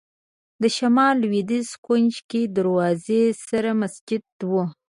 د شمال لوېدیځ کونج کې دروازې سره مسجد و.